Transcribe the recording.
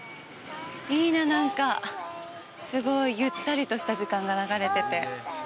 いいな、なんか、すごいゆったりとした時間が流れてて。